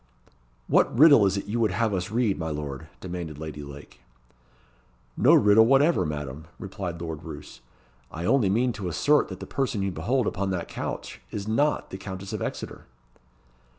"What riddle is it you would have us read, my lord?" demanded Lady Lake. "No riddle whatever, Madam," replied Lord Roos. "I only mean to assert that the person you behold upon that couch is not the Countess of Exeter."